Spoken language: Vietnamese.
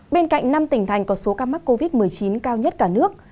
bên cạnh năm tỉnh thành có số ca mắc covid một mươi chín cao nhất cả nước